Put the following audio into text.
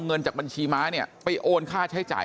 เงินจากบัญชีม้าเนี่ยไปโอนค่าใช้จ่าย